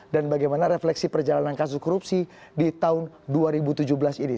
dan bagaimana refleksi perjalanan kasus korupsi di tahun dua ribu tujuh belas ini